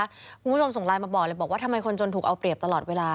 คุณผู้ชมส่งไลน์มาบอกเลยบอกว่าทำไมคนจนถูกเอาเปรียบตลอดเวลา